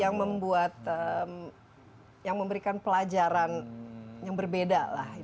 yang membuat yang memberikan pelajaran yang berbeda lah